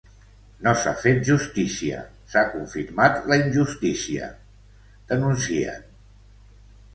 No s’ha fet justícia, s’ha confirmat la injustícia, denuncien.